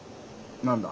何だ？